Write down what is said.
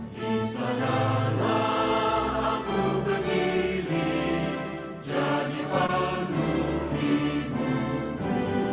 di sana lah aku berdiri jadi pandu ibu ku